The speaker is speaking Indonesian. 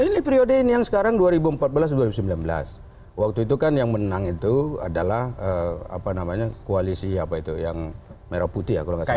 ini periode ini yang sekarang dua ribu empat belas dua ribu sembilan belas waktu itu kan yang menang itu adalah apa namanya koalisi apa itu yang merah putih ya kalau nggak salah